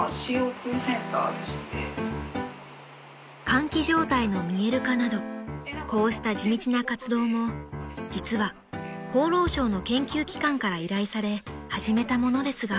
［換気状態の見える化などこうした地道な活動も実は厚労省の研究機関から依頼され始めたものですが］